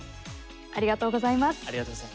ありがとうございます。